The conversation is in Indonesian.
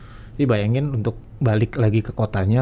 jadi bayangin untuk balik lagi ke kotanya